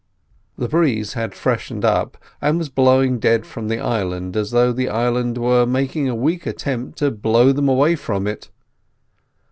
The breeze had freshened up, and was blowing dead from the island, as though the island were making a weak attempt to blow them away from it.